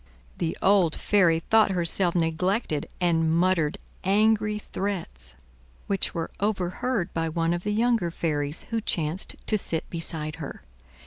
The old fairy thought herself neglected, and muttered angry threats, which were overheard by one of the younger fairies, who chanced to sit beside her.